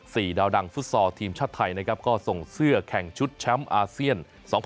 สี่ดาวดังศุษย์ทีมชาติไทยก็ส่งเสื้อแข่งชุดแชมป์อาเซียน๒๐๑๖